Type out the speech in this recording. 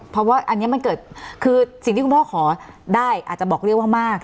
เพราะว่าอันนี้มันเกิดคือสิ่งที่คุณพ่อขอได้อาจจะบอกเรียกว่ามาก